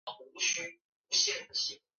你本来就是他的猎物